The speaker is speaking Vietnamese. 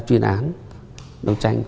chuyên án đấu tranh